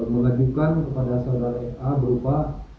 mengajukan kepada saudara na berupa